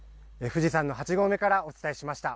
富士山の８合目からお伝えしました。